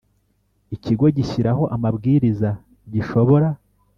Ikigo gishyiraho amabwiriza gishobora